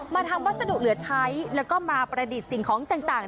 ทำวัสดุเหลือใช้แล้วก็มาประดิษฐ์สิ่งของต่าง